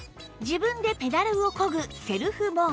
自分でペダルを漕ぐセルフモード